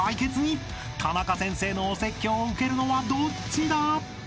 ［タナカ先生のお説教を受けるのはどっちだ？］